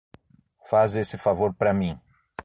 Faz esse favor pra mim